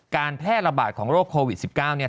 การแพร่ระบาดของโรคโควิด๑๙